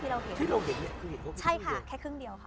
ที่เราเห็นคือเห็นเขาเป็นครึ่งเดียวอเรนนี่ใช่ค่ะแค่ครึ่งเดียวค่ะ